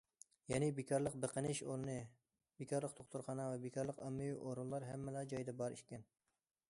يەنى بىكارلىق بېقىنىش ئورنى، بىكارلىق دوختۇرخانا ۋە بىكارلىق ئاممىۋى ئورۇنلار ھەممىلا جايدا بار ئىكەن.